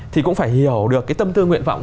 thì cũng phải hiểu được cái tâm tư nguyện vọng